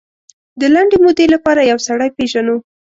د لنډې مودې لپاره یو سړی پېژنو.